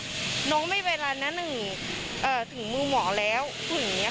หนูไม่เป็นอะไรนะหนึ่งถึงมือหมอแล้วหนูอย่างนี้ค่ะ